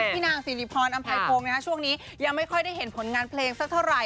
นางสิริพรอำไพพงศ์ช่วงนี้ยังไม่ค่อยได้เห็นผลงานเพลงสักเท่าไหร่